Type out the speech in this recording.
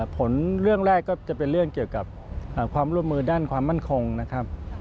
ผลเรื่องแรกก็จะเป็นเรื่องเกี่ยวกับความร่วมมือด้านความมั่นคงนะครับ